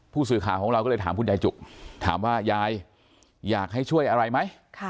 ผู้สื่อข่าวของเราก็เลยถามคุณยายจุกถามว่ายายอยากให้ช่วยอะไรไหม